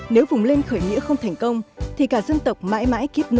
nếu vùng lên khởi nghĩa không thành công thì cả dân tộc mãi mãi kiếp nô lệ